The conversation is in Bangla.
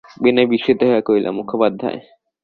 বিনয় বিস্মিত হইয়া কহিল, মুখোপাধ্যায়?